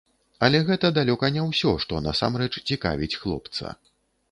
Але гэта далёка не ўсё, што насамрэч цікавіць хлопца.